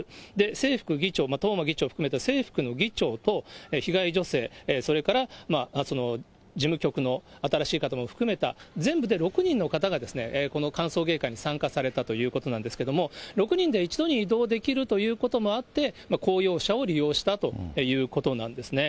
正副議長、東間議長含めた正副の議長と、被害女性、それから事務局の新しい方も含めた、全部で６人の方がこの歓送迎会に参加されたということなんですけれども、６人で一度に移動できるということもあって、公用車を利用したということなんですね。